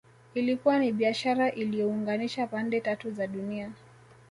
Ilikuwa ni biashara iliyounganisha pande tatu za dunia